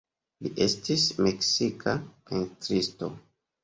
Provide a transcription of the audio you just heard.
Li estis meksika pentristo.